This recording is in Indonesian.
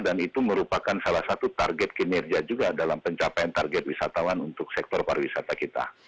dan itu merupakan salah satu target kinerja juga dalam pencapaian target wisatawan untuk sektor pariwisata kita